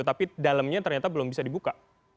tapi dalamnya ternyata belum bisa dibuka